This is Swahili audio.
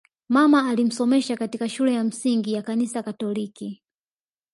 Mama alimsomesha katika shule ya msingi ya Kanisa Katoliki